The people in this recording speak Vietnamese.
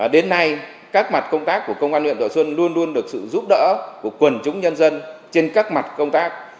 đến nay các mặt công tác của công an huyện thọ xuân luôn luôn được sự giúp đỡ của quần chúng nhân dân trên các mặt công tác